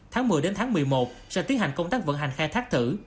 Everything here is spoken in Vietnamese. tháng một mươi đến tháng một mươi một sẽ tiến hành công tác vận hành khai thác thử